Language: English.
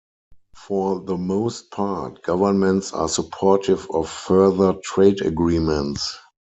For the most part, governments are supportive of further trade agreements.